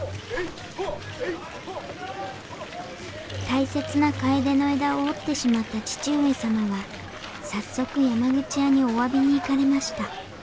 大切な楓の枝を折ってしまった義父上様は早速山口屋にお詫びに行かれました。